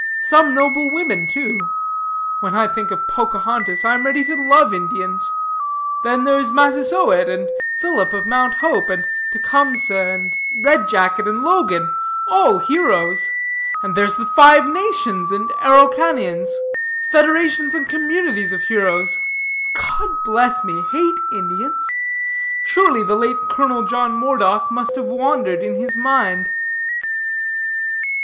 Some noble women, too. When I think of Pocahontas, I am ready to love Indians. Then there's Massasoit, and Philip of Mount Hope, and Tecumseh, and Red Jacket, and Logan all heroes; and there's the Five Nations, and Araucanians federations and communities of heroes. God bless me; hate Indians? Surely the late Colonel John Moredock must have wandered in his mind."